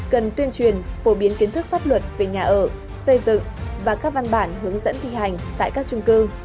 cần tuyên truyền phổ biến kiến thức pháp luật về nhà ở xây dựng và các văn bản hướng dẫn thi hành tại các trung cư